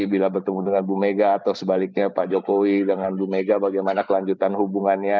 bila bertemu dengan ibu megawati atau sebaliknya pak jokowi dengan ibu megawati bagaimana kelanjutan hubungannya